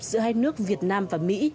giữa hai nước việt nam và mỹ